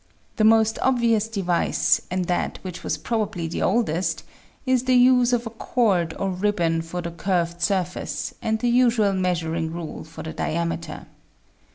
The most obvious device and that which was probably the old est, is the use of a cord or ribbon for the curved surface and the usual measuring rule for the diameter.